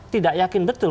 tidak yakin betul